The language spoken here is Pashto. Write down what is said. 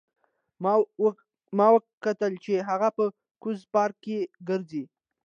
ما وکتل چې هغه په کوز پارک کې ګرځي